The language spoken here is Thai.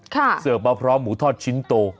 เสิร์ฟมาพร้อมหมูทอดชิ้นโต